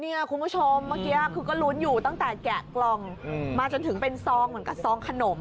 คุณผู้ชมเมื่อกี้คือก็ลุ้นอยู่ตั้งแต่แกะกล่องมาจนถึงเป็นซองเหมือนกับซองขนม